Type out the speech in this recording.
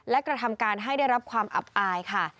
และกระทำการให้ได้รับความอับอายค่ะ